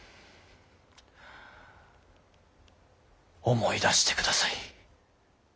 思い出してください。